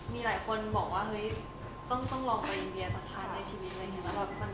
มีหลายคนบอกว่าต้องลองไปอินเดียสักครั้งในชีวิต